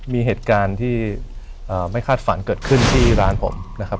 มีเหตุการณ์ที่ไม่คาดฝันเกิดขึ้นที่ร้านผมนะครับ